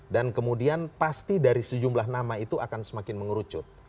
dan kemudian pasti dari sejumlah nama itu akan semakin mengerucut